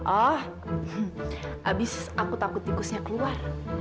oh abis aku takut tikusnya keluar